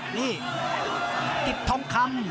นี่ติดทองคำ